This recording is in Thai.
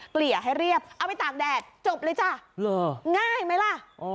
เกลี่ยให้เรียบเอาไปตากแดดจบเลยจ้ะง่ายไหมล่ะ